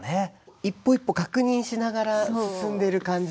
一歩一歩確認しながら進んでる感じが。